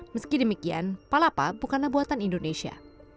meski demikian palapa bukanlah buatan indonesia